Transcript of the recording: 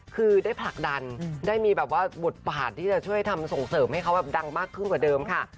คือได้ผลักดันได้มีแบบว่าบทบาทที่จะช่วยทำส่งเสริมให้เขาแบบดังมากขึ้นกว่าเดิมค่ะ